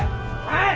はい！